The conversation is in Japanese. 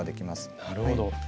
なるほど。